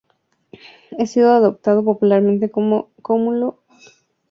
Ha sido apodado popularmente como Cúmulo Choque de Trenes, debido a su estructura caótica.